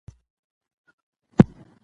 که کورنۍ دنده وي نو لوست نه هېریږي.